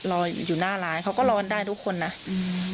รออยู่หน้าร้านเขาก็รอกันได้ทุกคนน่ะอืม